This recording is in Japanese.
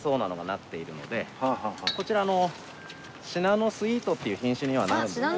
こちらのシナノスイートという品種にはなるんですけども。